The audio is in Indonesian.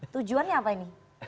tujuannya apa ini